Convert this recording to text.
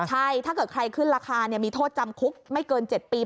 ใช่ถ้าเกิดใครขึ้นราคามีโทษจำคุกไม่เกิน๗ปี